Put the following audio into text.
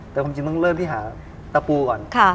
แต่ความจริงต้องเริ่มที่หาตะปูก่อน